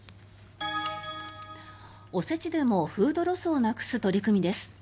お節でもフードロスをなくす取り組みです。